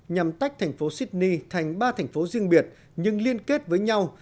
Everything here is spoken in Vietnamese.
nhằm tách thành phố sydney thành ba thành phố riêng biệt nhưng liên kết với nhau